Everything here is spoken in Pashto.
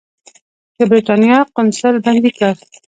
د برېټانیا قونسل بندي کړ.